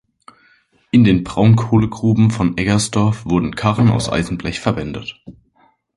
In den Braunkohlegruben von Eggersdorf wurden Karren aus Eisenblech verwendet.